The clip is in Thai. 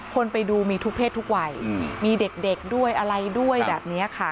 คนไปดูมีทุกเพศทุกวัยมีเด็กด้วยอะไรด้วยแบบนี้ค่ะ